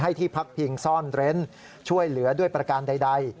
ที่พักพิงซ่อนเร้นช่วยเหลือด้วยประการใด